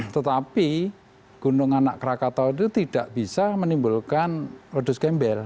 tetapi gunung anak krakatau itu tidak bisa menimbulkan ludus gembel